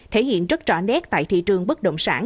thể hiện rất rõ nét tại thị trường bất động sản